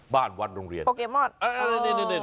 บ้านวัดโรงเรียนเอ้อ